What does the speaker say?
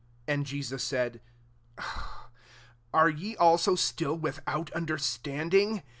16 And Jesus said, " Are ye also still without understanding?